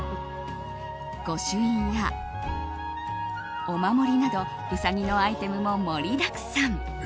御朱印やお守りなどうさぎのアイテムも盛りだくさん。